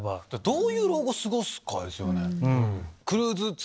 どういう老後過ごすかですよね。